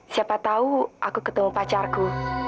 siapa tahu aku ketemu pacarku